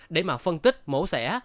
để mà phân tích mổ xẻ